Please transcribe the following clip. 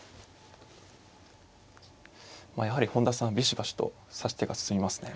まあやはり本田さんビシバシと指し手が進みますね。